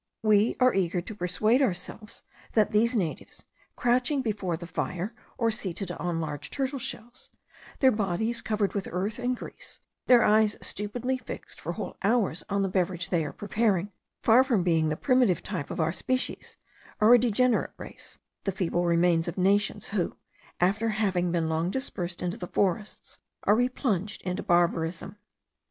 We are eager to persuade ourselves that these natives, crouching before the fire, or seated on large turtle shells, their bodies covered with earth and grease, their eyes stupidly fixed for whole hours on the beverage they are preparing, far from being the primitive type of our species, are a degenerate race, the feeble remains of nations who, after having been long dispersed in the forests, are replunged into barbarism.